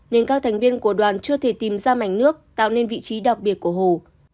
nên các thành viên của đoàn chưa thể tìm ra mảnh nước tạo nên vị trí đặc biệt của hồ